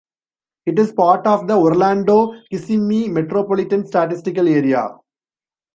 It is part of the Orlando-Kissimmee Metropolitan Statistical Area.